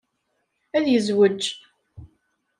Ad yezwej.